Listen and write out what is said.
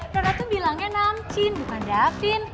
dona tuh bilangnya namcin bukan davin